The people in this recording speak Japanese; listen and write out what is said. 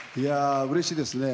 うれしいですね。